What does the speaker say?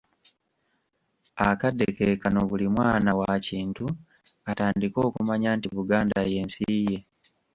Akadde ke kano buli mwana wa Kintu atandike okumanya nti Buganda ye nsi ye.